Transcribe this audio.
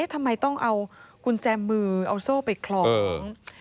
ทำไมต้องเอากุญแจมือเอาโซ่ไปคล้อง